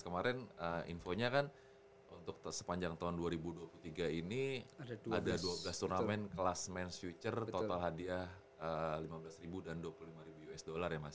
kemarin infonya kan untuk sepanjang tahun dua ribu dua puluh tiga ini ada dua belas turnamen kelas men future total hadiah lima belas ribu dan dua puluh lima ribu usd ya mas